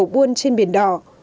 các tàu buôn trên biển đỏ